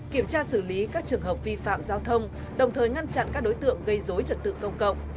kiểm tra xử lý các trường hợp vi phạm giao thông đồng thời ngăn chặn các đối tượng gây dối trật tự công cộng